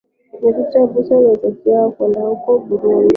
ni victor abuso na tukielekea huko burundi